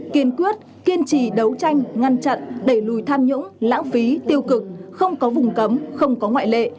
kiên quyết kiên trì đấu tranh ngăn chặn đẩy lùi tham nhũng lãng phí tiêu cực không có vùng cấm không có ngoại lệ